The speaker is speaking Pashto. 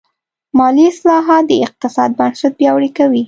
مالي اصلاحات د اقتصاد بنسټ پیاوړی کوي.